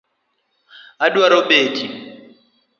Adwaro beti